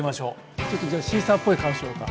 ちょっとじゃあシーサーっぽい顔しよか。